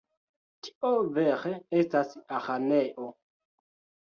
Tio vere estas araneo.